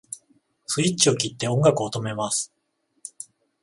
スイッチを切って音楽を止めます